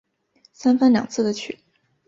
三番两次的去